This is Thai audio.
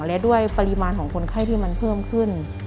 และด้วยปริมาณของคนไข้ที่มันเพิ่มขึ้น